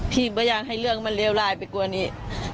ไม่อยากให้เรื่องมันเลวร้ายไปกว่านี้